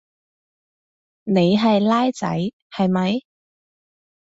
你係孻仔係咪？